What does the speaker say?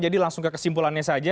jadi langsung ke kesimpulannya saja